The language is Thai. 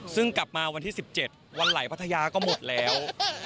ซึ่งกลับมาวันที่๑๗วันไหลพัทยาก็หมดแล้ว